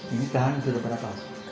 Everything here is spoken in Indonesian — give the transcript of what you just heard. ini tahanan sudah berapa